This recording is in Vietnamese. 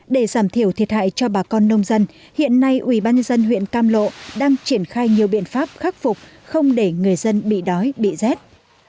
để giảm thiểu thiệt hại cho bà con nông dân hiện nay ubnd huyện cam lộ đang triển khai nhiều biện pháp khắc phục không để người dân bị đói bị rét